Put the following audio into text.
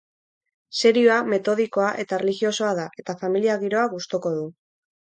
Serioa, metodikoa eta erlijiosoa da, eta familia giroa gustoko du.